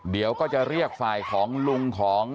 เดี๋ยวก็จะเรียกฝ่ายของลุงของ